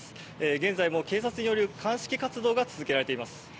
現在も警察による鑑識活動が続けられています。